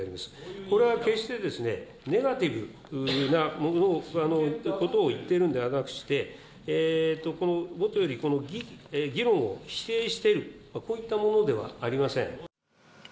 これは決してネガティブなことを言ってるんではなくして、もとよりこの議論を否定している、こういったものではありません。